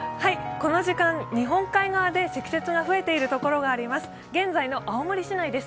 この時間、日本海側で積雪が増えているところがあります。